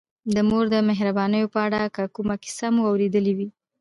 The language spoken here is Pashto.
د مور د مهربانیو په اړه که کومه کیسه مو اورېدلې وي.